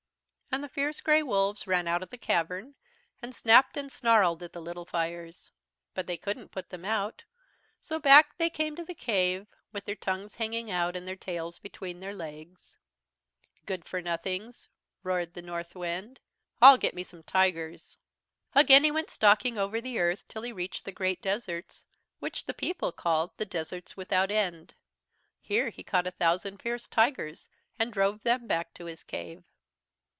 "And the fierce grey wolves ran out of the cavern, and snapped and snarled at the little fires. But they couldn't put them out. So back they came to the cave, with their tongues hanging out and their tails between their legs. "'Good for nothings,' roared Northwind, 'I'll get me some tigers.' "Again he went stalking over the Earth till he reached the great deserts, which the people called 'the Deserts Without End.' Here he caught a thousand fierce tigers and drove them back to his cave.